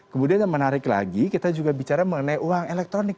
kemudian yang menarik lagi kita juga bicara mengenai uang elektronik